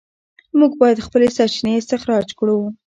موږ باید خپلې سرچینې استخراج کړو.